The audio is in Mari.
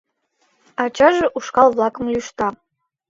Ачаже ушкал-влакым лӱшта.